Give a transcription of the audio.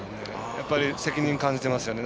やっぱり責任感じてますよね。